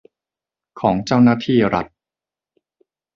ของเจ้าหน้าที่รัฐ